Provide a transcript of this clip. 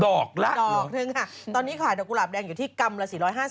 ดอกแล้วเหรอดอกถึงค่ะตอนนี้ขายกล่าวกุหลาบแดงอยู่ที่กรรมละ๔๕๐